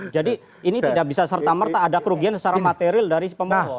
jadi ini tidak bisa serta merta ada kerugian secara material dari pemohon